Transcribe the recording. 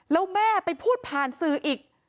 แล้วแม่ไปพูดผ่านสื่ออีก